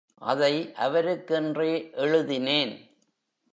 அதை அவருக்கென்றே எழுதினேன்.